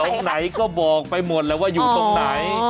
ไหนก็บอกไปหมดแล้วว่าอยู่ตรงไหน